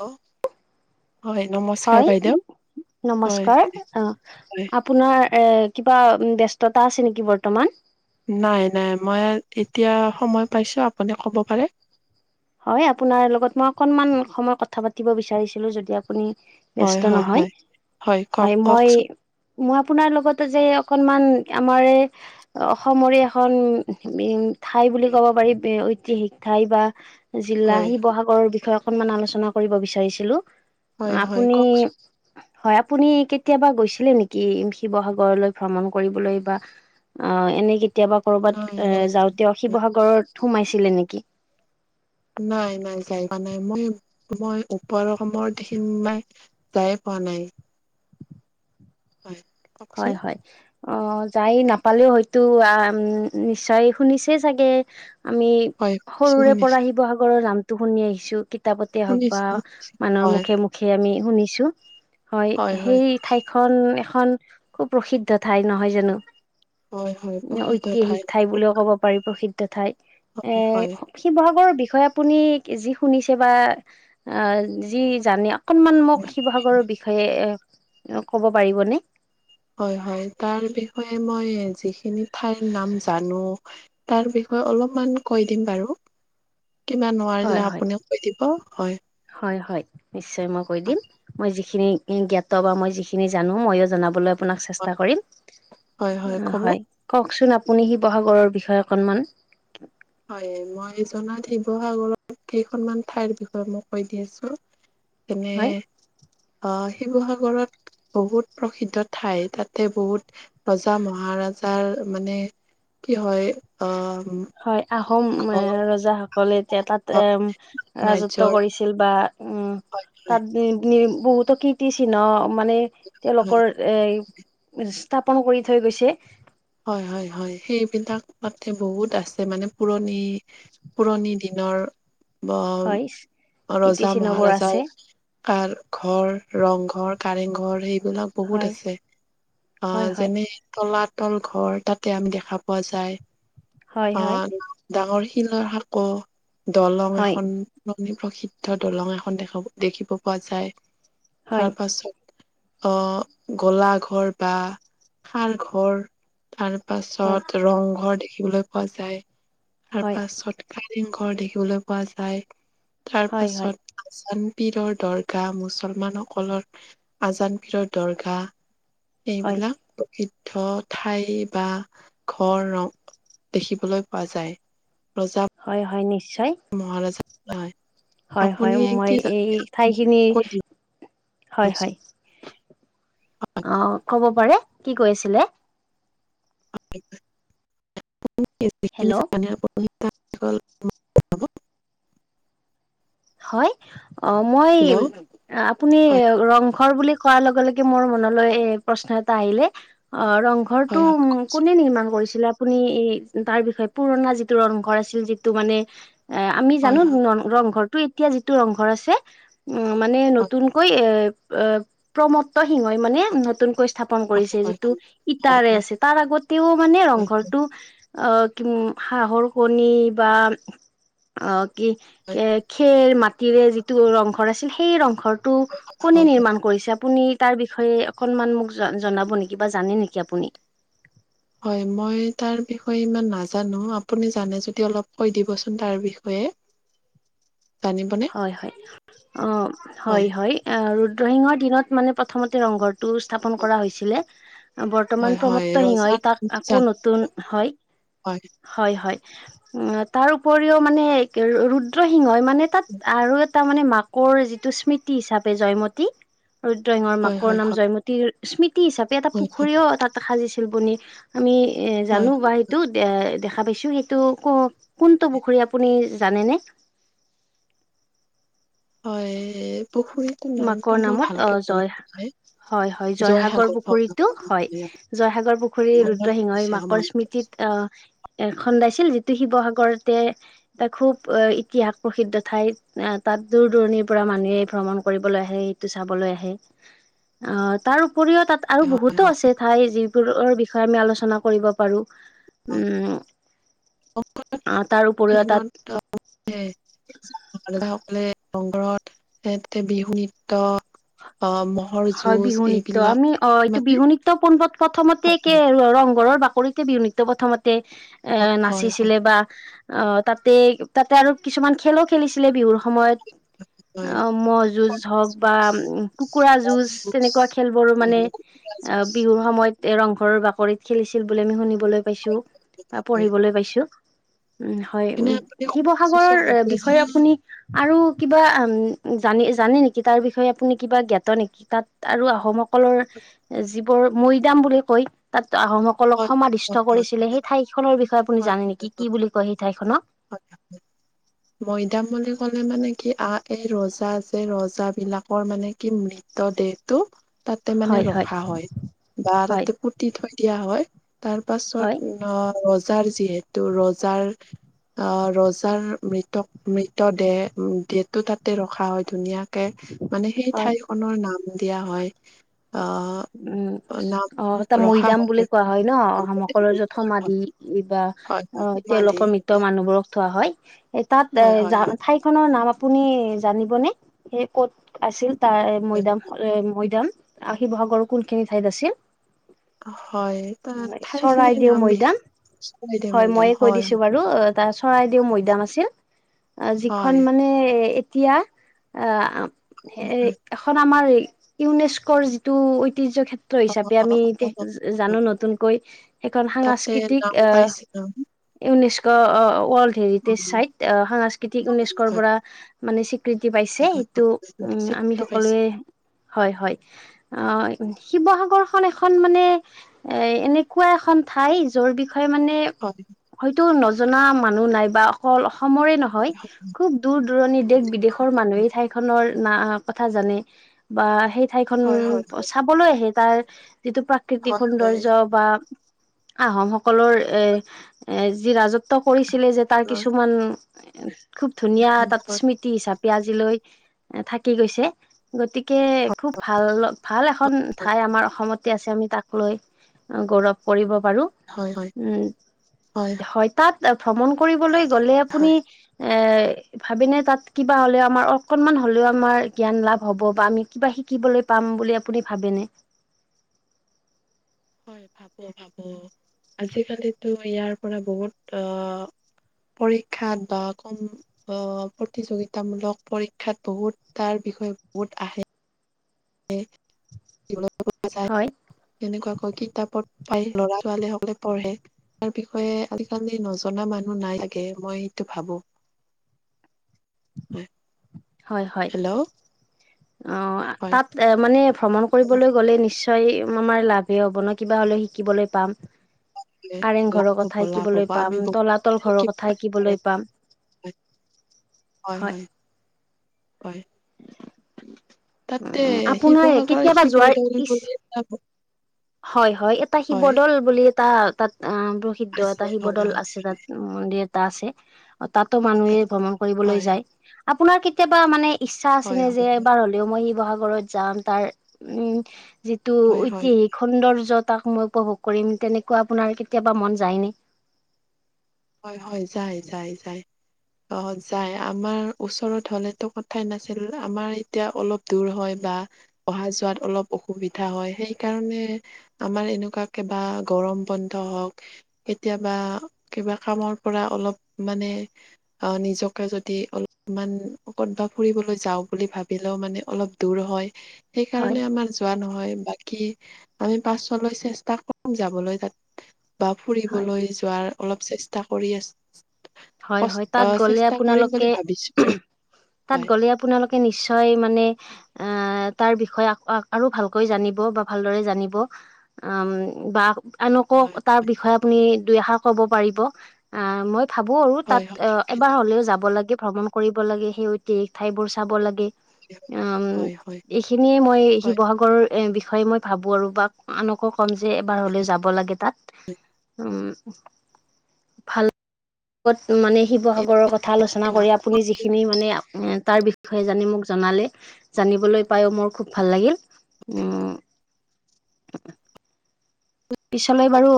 Hello হয় নমস্কাৰ। হয় বাইদেউ হয় নমস্কাৰ হয় অ' আপোনাৰ অ' কিবা ব্যস্ততা আছে নেকি বৰ্তমান। নাই, নাই মই এতিয়া সময় পাইছোঁ আপুনি ক'ব পাৰে। হয় আপোনাৰ লগত মই অকনমান সময় কথা পাতিব বিচাৰিছিলোঁ যদি আপুনি হয় ব্যস্ত হয় নহয় হয় কওক হয় মই কওকচোন মই আপোনাৰ লগতে যে অকনমান আমাৰে অসমৰে এখন উম, মেইণ ঠাই বুলি ক'ব পাৰি ঐতিহাসিক ঠাই বা জিলা হয় শিৱসাগৰৰ বিষয়ে অকনমান আলোচনা কৰিব বিচাৰিছিলোঁ হয় হয় আপুনি কওকচোন হয় আপুনি কেতিয়াবা গৈছিলে নেকি? শিৱসাগৰলৈ ভ্ৰমণ কৰিবলৈ বা অ' এনেই কেতিয়াবা কৰ'বাত নাই এ নাই যাওঁতে শিৱসাগৰত সোমাইছিলে নেকি? নাই, নাই যাই পোৱা নাই মই-মই ওপৰ অসমৰ দেখিম নাই যাই পোৱা নাই। হয়। কওকচোন হয়, হয়। অ' যায় নাপালেও হয়তো নিশ্চয় শুনিছে চাগৈ। আমি হয় সৰুৰে শুনিছো পৰা শিৱসাগৰৰ নামটো শুনি আহিছো। কিতাপতে হওক বা শুনিছো শুনিছো শুনিছো মানুহৰ হয় মুখে হয় আমি শুনিছো হয় সেই ঠাইখন এখন খুব প্ৰসিদ্ধ ঠাই নহয় জানো হয় হয় প্ৰসিদ্ধ ঠাই ক'ব পাৰি প্ৰসিদ্ধ সিদ্ধ ঠাই এ হয় হয় শিৱসাগৰৰ বিষয়ে আপুনি যি শুনিছে বা অ' যি জানে অকনমান মোক শিৱসাগৰৰ বিষয়ে এ ক'ব পাৰিবনে? হয় হয় তাৰ বিষয়ে মই যিখিনি ঠাইৰ নাম জানো তাৰ বিষয়ে অলপমান কৈ দিম বাৰু কিবা নোৱাৰিলে হয় হয় আপুনি কৈ দিব হয় হয় হয় নিশ্চয় মই কৈ দিম মই যি যিখিনি জ্ঞাত বা মই যিখিনি জানো ময়ো জনাবলৈ আপোনাক চেষ্টা কৰিম হয় ক'ব হয় কওকচোন আপুনি শিৱসাগৰৰ বিষয়ে অকনমান হয় মই জনাত শিৱসাগৰত কেইখনমান ঠাইৰ বিষয়ে মই কৈ দি আছো যেনে হয়। অ শিৱসাগৰত বহুত প্ৰসিদ্ধ ঠাই তাতে বহুত ৰজা মহাৰাজাৰ মানে কি হয় অ হয় আহোম এ ৰজাসকলে এতিয়া তাত এ ৰাজত্ব ৰাজ্যৰ কৰিছে বা উম হয় তাত বহুতো কীৰ্তি চিহ্ন মানে তেওঁলোকৰ হয় এই স্থাপন কৰি থৈ গৈছে হয় হয় হয় সেইবিলাক তাতে বহুত আছে মানে পুৰণি পুৰণি দিনৰ ব হয় কীৰ্তি ৰজা চিহ্নবোৰ মহাৰজাই আছে কাৰ ঘৰ ৰংঘৰ কাৰেং ঘৰ সেইবিলাক বহুত হয় আছে অ হয় হয় যেনে তলাত তল ঘৰ তাতে আম দেখা পোৱা যায় হয় অহ ডাঙৰ শিলৰ সাঁকো দলং হয় এখন পুৰণি প্ৰসিদ্ধ দলং এখন দেখা দেখিব পোৱা যায় হয় তাৰ পাছত অ গলা ঘৰ বা সাৰ ঘৰ তাৰ হয় হয় পাছত ৰংঘৰ দেখিবলৈ পোৱা যায় হয় তাৰপাছত কাৰেং ঘৰ দেখিবলৈ পোৱা যায় তাৰ হয় হয় পাছত আচান পীৰৰ দৰগাহ মুছলমানসকলৰ আজানপীৰৰ দৰগাহ হয় এইবিলাক প্ৰসিদ্ধ ঠাই বা ঘৰ ৰং দেখিবলৈ পোৱা যায় ৰজা হয় হয় নিশ্চয় মহাৰাজা হয় হয় হয় আপুনি মই কি এই ঠাইখিনি কৈ দিব হয় হয় অ ক'ব পাৰে কি কৈছিলে হেল্ল' [unintelligible] হয় অ মই হেল্ল' অ আপুনি হয় ৰংঘৰ বুলি কোৱাৰ লগে লগে মোৰ মনলৈ এ প্ৰশ্ন এটা আহিলে অ ৰংঘৰটো হয় হয় কোনে নিৰ্মাণ কৰিছিলে আপুনি এই তাৰ বিষয়ে পুৰণা যিটো ৰংঘৰ আছিল যিটো মানে এ আমি হয় জানো হয় ৰংঘৰটো এতিয়া যিটো ৰংঘৰ আছে উম মানে হয় নতুনকৈ এ অ প্ৰমত্ত সিংহই মানে নতুনকৈ স্থা পন কৰিছে হয় হয় হয় যিটো হয় ইটাৰে হয় আছে তাৰ আগতেও মানে হয় ৰংঘৰটো অ কি হাহৰ কণী বা অ কি হয় কে খেৰ মাটিৰে যিটো ৰংঘৰ আছিল সেই ৰংঘৰটো হয় কোনে নিৰ্মাণ কৰিছে আপুনি তাৰ বিষয়ে অকনমান মোক জ জনাব নিকি বা জানে নিকি আপুনি হয় মই তাৰ বিষয়ে ইমান নাজানো আপুনি জানে যদি অলপ কৈ দিবচোন তাৰ বিষয়ে জানিবনে? হয় হয় অ হয় হয় অ ৰুদ্ৰসিংহৰ দিনত মানে প্ৰথমতে ৰংঘৰটো স্থাপন কৰা হৈছিলে হয়, বৰ্তমান হয়, প্ৰমোত্ত ৰজাৰ সিংহই তাক নামটো আকৌ জানো নতুন হয় হয়। হয় হয় উম তাৰ উপৰিও মানে ৰুদ্ৰসিংহই মানে তাত। আৰু এটা মানে মাকৰ যিটো স্মৃতি হিচাপে জয়মতী। ৰুদ্ৰসিংঙৰ হয়, হয়, মাকৰ নাম হয়, জয়মতীৰ স্মৃতি হিচাপে এটা হয়, হয়, পুখুৰীও তাত সাজিছিল বনি আমি এ হয়, জানো বা সেইটো দে দেখা পাইছো সেইটো কওক। কোনটো পুখুৰী আপুনি জানেনে। হয় পুখুৰীটোৰ মাকৰ নামটো মই নামত অ ভালকে জয় মনত নাই হয় হয় জয়সাগৰ পুখুৰীতো হয় জয়সাগৰ পুখুৰী মনত ৰুদ্ৰসিংহই পৰিছে, অ', মাকৰ মনত পৰিছে। স্মৃতিত। আহ এ খন্দাইছিল যিটো শিৱসাগৰতে। এটা খুব ইতিহাস প্ৰসিদ্ধ ঠাই তাত দূৰ দূৰণিৰ পৰা মানুহে ভ্ৰমণ। ফুৰিবলৈ আহে সেইটো চাবলৈ আহ তাত উপৰিও তাত আৰু হয়, বহুতো হয়, আছে ঠাই যিবোৰৰ বিষয়ে আমি আলোচনা কৰিব পাৰো। [unintelligible] উম তাৰ উপৰিও তাত [unintelligible] সকলে ৰংঘৰত বিহু নৃত্য আহ। হয় বিহু নৃত্য আমি অ এইটো বিহু নৃত্য পোন প্ৰথমতে হয়, হয়, ৰংঘৰৰ বাকৰিত তাতে বিহু নৃত্য প্ৰথমতে এ হয়, হয়, হয়, নাচিছিলে বা। অ তাতে তাতে আৰু কিছুমান খেলো খেলিছিলে বিহুৰ সময়ত। অ হয়। ম'হ যুজ হওক বা কুকুৰা যুঁজ যুজ তেনেকুৱা খেলবোৰ মানে এই বিহু। বিহুৰ সময়ত এ ৰংঘৰৰ বাকৰিত খেলিছিল বুলি আমি শুনিবলৈ পাইছো বা পঢ়িবলৈ পাইছো। উম হয় উম শিৱসাগৰৰ বিষয়ে আপুনি। আৰু কিবা উম জানি জানে নেকি তাৰ বিষয়ে আপুনি কিবা জ্ঞাত নেকি। তাত আৰু আহোমসকলৰ যিবোৰ মৈদাম বুলি কয় তাত আহোমসকল। সকলক সমাধিষ্ট কৰিছিলে সেই ঠাইখনৰ বিষয়ে আপুনি জানে নেকি কি বুলি কয় সেই ঠাইখনক। হয় মৈদাম বুলি ক'লে মানে কি আ এই ৰজা যে ৰজা বিলাকৰ মানে কি মৃৃত। মৃত দেহটো। তাতে মানে ৰখা হয় বা হয় তাতে পুতি থৈ দিয়া হয় তাৰ পাছত। অ ৰজাৰ যিহেতু ৰজাৰ। আহ ৰজাৰ মৃত মৃত দেহ দেহটো তাতে ৰখা হয় ধুনীয়া। তাকে সেই হয় ঠাইখনৰ নাম দিয়া হয় আহ। উম নাম অ এতিয়া ৰখা মৈদাম হয় বুলি কোৱা হয় ন আহোমসকলৰ যত সমাধি। বা হয় হয় অ উমাধি তেওঁলোকৰ মৃত মানুহবোৰক থোৱা হয়। তাত এ হয় হয় হয় ঠাইখনৰ নাম আপুনি জানিবনে। ক'ত আছিল তাৰ মৈদাম মৈদাম আ শিৱসাগৰ। কোনখিন ঠাইত আছিল হয় তাত ঠাই খিনিৰ চৰাইদেউ নাম বিশেষ মৈদাম। কৈ দে হয় মৈদাম মইয়ে কৈ দিছো বাৰু তাৰ চৰাইদেউ মৈদাম আছিল। অ যিখন হয় মানে এতিয়া। অ সেই হয়। এখন আমাৰ ইউনেস্কোৰ যিটো ঐতিহ্য ক্ষেত্ৰ অ অ হিচাপে অ আমি অ জা অ। জানো নতুনকৈ। সেইখন তাতে সাংস্কৃতিক নাম আহ পাইছে ইউনেস্কো ৱৰ্ল্ড। হেৰিতি চাইট সাংস্কৃতিক আ ঊনৈছকৰ পৰা মানে স্বীকৃতি পাইছে সেইটো উম আমি স্বীকৃতি পাইছে সকলোৱে। হয় হয় অ। শিৱসাগৰ খন এখন মানে এ এনেকুৱা এখন ঠাই যোৰ বিষয়ে মানে। হয় হয়তো নজনা মানুহ নাই বা অকল অসমৰে নহয়, খুব দূৰ-দূৰণি দেশ-বিদেশৰ মানুহেই ঠাইখনৰ না কথা জানে। বা সেই ঠাইখন হয় হয় চাবলৈ আহে, তাৰ যিটো প্ৰাক প্ৰাকৃতিক হয় হয় সৌন্দৰ্য বা আহোম সকলৰ এ এ, যি ৰাজত্ব কৰিছিলে যে, তাৰ কিছুমান খুব ধুনীয়া তাত আপোনাৰ স্মৃতি হিচাপে আজিলৈ থাকি গৈছে, গতিকে খুব ভাল-ভাল এখন ঠাই আমাৰ অসমতে আছে, আমি তাক লৈ গৌৰৱ কৰিব পাৰো। হয় হয় হয় উম, হয়, তাত ভ্ৰমণ কৰিবলৈ গ'লে আপুনি হয় এ ভাবে নে, তাত কিবা আমাৰ অকনমান হ'লেও আমাৰ জ্ঞান লাভ বা আমি কিবা শিকিবলৈ পাম বুলি আপুনি ভাবেনে? হয়, ভাবো, ভাবো। আজিকালিতো ইয়াৰ পৰা বহুত অ পৰীক্ষাত বা কম অ, প্ৰতিযোগিতামূলক পৰীক্ষাত বহুত তাৰ বিষয়ে বহুত আহে। হয়। [unintelligible] তেনেকুৱা কৈ কিতাপত পায়, ল'ৰা-ছোৱালী সকলে পঢ়ে। তাৰ বিষয়ে আজিকালি নজনা মানুহ নাই চাগে, মই এইটো ভাবো। হয় হয়, হয়, হেল্ল' অ, হয় তাত মানে ভ্ৰমণ কৰিবলৈ গ'লে নিশ্চয় নিশ্চয় আমাৰ লাভেই হ'ব ন, কিবা হ'লে শিকিবলৈ পাম। হয়, কাৰেং লাভ ঘৰৰ হ'ব কথা লাভ হ'ব শিকিবলৈ আমি পাম, বহুত কথা তলাতল ঘৰৰ শিকিব কথা পাৰিম তাৰে শিকিবলৈ পৰা। পাম। হয়, হয়, হয়। তাতে উম আপোনাৰ শিৱসাগৰ, কেতিয়াবা যোৱাৰ শিৱদৌল ইচ্ছা বুলি [unintelligible] হয়, হয়, এটা হয় শিৱদৌল বুলি এটা তাত প্ৰসিদ্ধ আছে এটা হয় শিৱদৌল আছে তাত। মন্দিৰ এটা আছে, তাতো মানুহে ভ্ৰমণ কৰিবলৈ হয় যায়। আপোনাৰ কেতিয়াবা মানে ইচ্ছা হয় আছেনে যে, হয় এবাৰ হ'লেও মই শিৱসাগৰত যাম, তাৰ উম যিটো হয় হয় হয় ঐতিহাসিক সৌন্দৰ্য, তাক মই উপভোগ কৰিম, তেনেকুৱা আপোনাৰ কেতিয়াবা মন যায় নে? হয়, হয়, যায়, যায়, যায়। অ, যায়। আমাৰ ওচৰ ফালেটো কথাই নাছিল না, আমাৰ এতিয়া অলপ দূৰ হয় বা অহা-যোৱাত অলপ অসুবিধা হয়, সেইকাৰণে আমাৰ এনেকুৱা কিবা গৰম বন্ধ হওক, কেতিয়াবা কিবা কামৰ পৰা অলপ মানে অ, নিজকে যদি অলপমান ক'তবা ফুৰিবলৈ যাওঁ বুলি ভাবিলেও মানে অলপ দূৰ হয়, হয় সেইকাৰণে আমাৰ যোৱা নহয়। বাকী, আমি পাছলৈ চেষ্টা কৰিম যাবলৈ তাত। বা হয় ফুৰিবলৈ যোৱাৰ অলপ চেষ্টা কৰি আছো। হয়, হয়, তাত গ'লে বুলি আপোনালোকে, ভাবিছো আৰু তাত হয়, গ'লে আপোনালোকে নিশ্চয় মানে এ, তাৰ বিষয়ে আৰু ভালকৈ জানিব বা ভালদৰে জানিব। [unintelligible] আনকো তাৰ বিষয়ে আপুনি দুই এষাৰ ক'ব পাৰিব, আহ, মই ভাবো আৰু, হয়, তাত হয়, অ এবাৰ হ'লেও যাব লাগে, ভ্ৰমণ কৰিব লাগে। সেই ঐতিহাসিক ঠাইবোৰ চাব লাগে। উম, হয়, হয়, এইখিনিয়ে মই হয়। শিৱসাগৰ বিষয়ে মই ভাবো আৰু বা আনকো কম যে, এবাৰ হ'লেও যাব লাগে তাত। উম। [unintelligible] লগত মানে শিৱসাগৰৰ কথা আলোচনা এতিয়া কৰি আপুনি যিখিনি মানে তাৰ বিষয়ে জানে মোক জনালে। জানিবলৈ পাই মোৰ খুব ভাল লাগিল উ। পিছলৈ বাৰু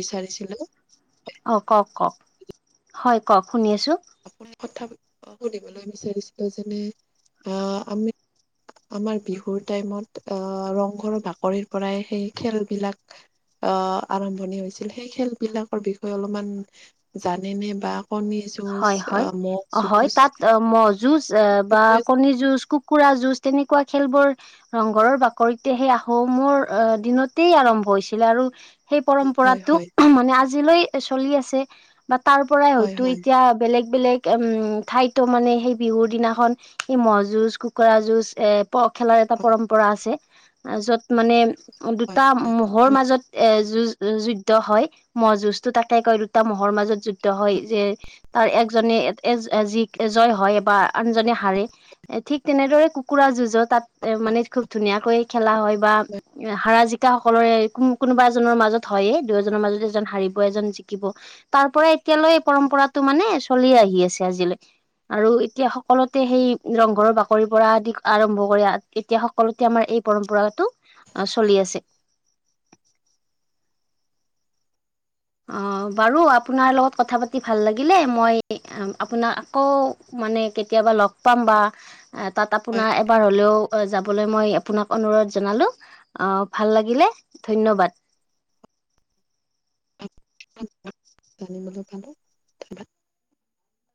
বিচাৰিছিলো। অঁ কওক কওক, হয় কওক শুনি আছোঁ। আপোনি কথা শুধিবলৈ বিচাৰিছিলো যেনে আহ আমি আমাৰ বিহুৰ টাইমত আহ ৰংঘৰত বাকৰিৰ পৰাই সেই খেলবিলাক আ আৰম্ভণি হৈছিল সেই খেলবিলাকৰ বিষয়ে অলপমান জানে নে বা কনিজ হয় হয় অ হয় তাত ম'হ যুজ বা বিষয়ে জানে? কণী যুজ কুক কুৰা যুঁজ তেনেকুৱা খেলবোৰ ৰংঘৰৰ বাকৰিতে সেই আহোমৰ অ দিনতেই আৰম্ভ হৈছিলে আৰু সেই হয়, পৰম্পৰাটো হয়, [unintelligible] মানে আজিলৈ চলি আছে বা তাৰ পৰাই হয়, হয়তো হয়, এতিয়া বেলেগ বেলেগ উম ঠাইতো মানে সেই বিহুৰ দিনাখন সে ম'হ যুজ কুকুৰা যুজ এ অ খেলাৰ এটা হয়, পৰম্পৰা আছে আ য'ত মানে হয়, হয়, দুটা ম'হৰ আমি- মাজত এ যুজ যু যুদ্ধ হয় মহ' যুঁজটো তাকে কয় দুটা মহ'ৰ মাজত যুদ্ধ হয় যে তাৰ একজনে এট এজ এজ যি এজ জয় হয় বা আনজনে হাৰে। এ ঠিক তেনেদৰে কুকুৰা যুঁজো তাত এ মানে খুব ধুনীয়াকৈ খেলা হয়। বা হাৰা জি কা সকলৰে কু কুনোবা এজনৰ মাজত হয়ে দুয়োজনৰ মাজত এজন হাৰিব এজন জিকিব। তাৰ পৰা এতিয়ালৈ পৰম্পৰাটো মানে চলি আহি আছে আজিলৈ। আৰু এতিয়া সকলোতে সেই ৰংঘৰৰ বাকৰিৰ পৰা আদি ক আৰম্ভ কৰি এতিয়া সকলোতে আমাৰ এই পৰম্পৰাটো অ চলি আছে। অঁ বাৰু আপোনাৰ লগত কথা পাতি ভাল লাগিলে মই অম আপোনাক আকৌ মানে কেতিয়াবা লগ পাম বা আ তাত হয়, আপোনা এবাৰ হলেও অ যাবলৈ মই আপোনাক অনুৰোধ জনালো। অ ভাল লাগিলে ধন্যবাদ। [unintelligible] জানিবলৈ পালো। ধন্যবাদ।